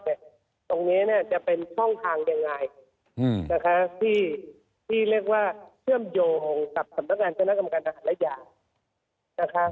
ตรงนี้จะเป็นช่องทางยังไงที่เรียกว่าเชื่อมโยงกับสำนักงานเช่นนักกรรมการอาหารระยะ